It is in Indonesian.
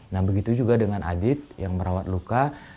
nah begitu juga dengan adit yang merawat luka